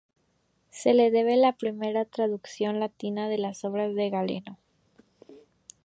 Se le debe la primera traducción latina de las obras de Galeno.